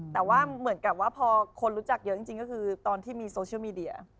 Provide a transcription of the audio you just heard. แต่ว่าเหมือนกับว่าพอคนรู้จักเยอะจริงก็คือตอนที่มีโซเชียลมีเดีย